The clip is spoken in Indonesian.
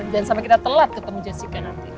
jangan sampai kita telat ketemu jessica nanti